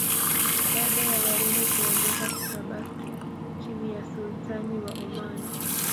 baada ya wareno kuondoka kikabaki chini ya sultani wa oman